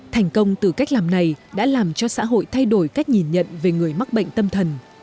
thành công từ cách làm này đã làm cho xã hội thay đổi cách nhìn nhận về người mắc bệnh tâm thần